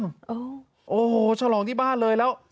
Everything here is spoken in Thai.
โอ้โหฉลองที่บ้านเลยแล้ว